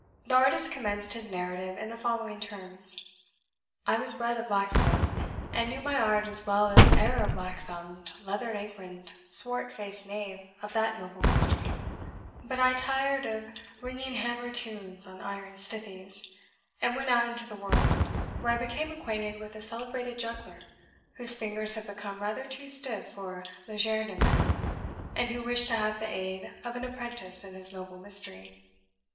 THE artist commenced his narrative in the following terms: "I was bred a blacksmith, and knew my art as well as e'er a black thumbed, leathern aproned, swart faced knave of that noble mystery. But I tired of ringing hammer tunes on iron stithies, and went out into the world, where I became acquainted with a celebrated juggler, whose fingers had become rather too stiff for legerdemain, and who wished to have the aid of an apprentice in his noble mystery.